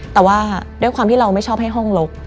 แต่ว่าด้วยความที่เราไม่ชอบให้ห้องลก